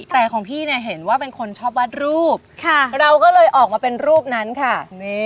แต่ของพี่เนี่ยเห็นว่าเป็นคนชอบวาดรูปเราก็เลยออกมาเป็นรูปนั้นค่ะ